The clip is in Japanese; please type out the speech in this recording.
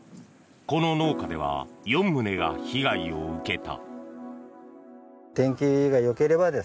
この農家では４棟が被害を受けた。